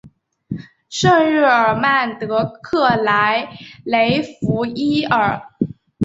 圣日尔曼德克莱雷弗伊尔。